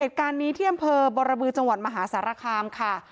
เหตุการณ์นี้ที่อำเภอบรบือจังหวัดมหาสารคามค่ะ